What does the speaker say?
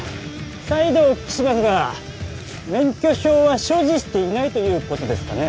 再度お聞きしますが免許証は所持していないということですかね？